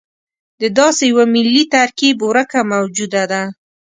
د داسې یوه ملي ترکیب ورکه موجوده ده.